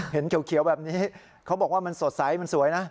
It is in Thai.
เห็นเขียวแบบนี้เขาบอกว่ามันสดใสมันสวยนะ